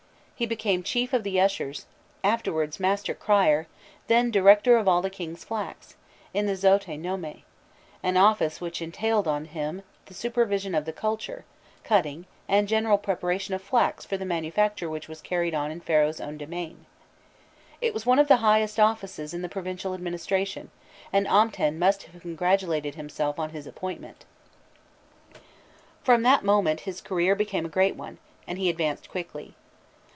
He became "Chief of the Ushers," afterwards "Master Crier," then "Director of all the King's flax" in the Xoïfce nome an office which entailed on him the supervision of the culture, cutting, and general preparation of flax for the manufacture which was carried on in Pharaoh's own domain. It was one of the highest offices in the Provincial Administration, and Amten must have congratulated himself on his appointment. From that moment his career became a great one, and he advanced quickly.